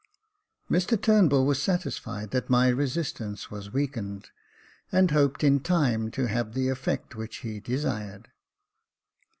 Mr Turnbull was satisfied that my resist ance was weakened, and hoped in time to have the effect which he desired.